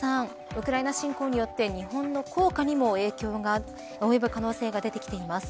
ウクライナ侵攻によって日本の硬貨にも影響が及ぶ可能性が出てきています。